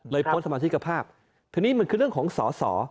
เลยพ้นสมาชิกภาพทีนี้มันคือเรื่องของสอ